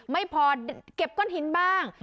ไม่พอเก็บก้อนหินบ้าง